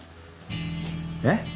えっ？